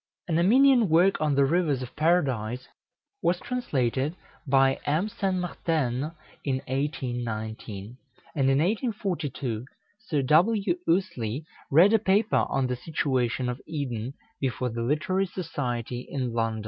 An Armenian work on the rivers of Paradise was translated by M. Saint Marten in 1819; and in 1842 Sir W. Ouseley read a paper on the situation of Eden, before the Literary Society in London.